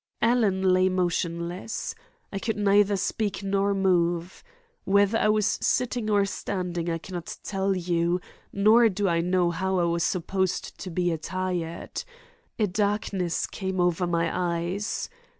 "Alan lay motionless. I could neither speak nor move. Whether I was sitting or standing I cannot tell you, nor do I know how I was supposed to be attired. A darkness came over my eyes.